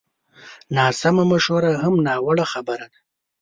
ناسمه مشوره هم ناوړه خبره ده